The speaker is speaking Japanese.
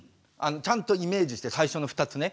ちゃんとイメージして最初の２つね。